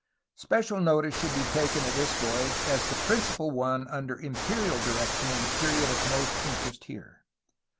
Special notice should be taken of this voyage as the principal one under imperial direction in the period of most interest here.